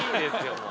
もう。